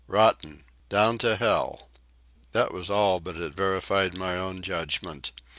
Rotten. Down to hell." That was all, but it verified my own judgment.